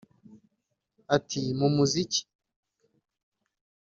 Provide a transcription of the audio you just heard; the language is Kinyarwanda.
Ati “Mu muziki